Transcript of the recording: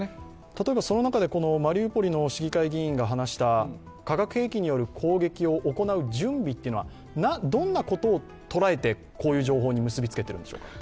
例えばその中でマリウポリの市議会議員が話した化学兵器による攻撃を行う準備というのはどんなことを捉えてこういう情報に結びつけているんでしょうか。